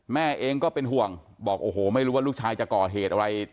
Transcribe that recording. แม่เองก็เป็นห่วงบอกโอ้โหไม่รู้ว่าลูกชายจะก่อเหตุอะไร